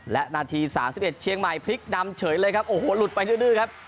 และนาที๓๑เชียงใหม่พลิกนำเฉยเลยครับโอ้โหหลุดไปดื้อครับ